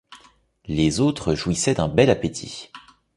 Les autres jouissaient d’un bel appétit.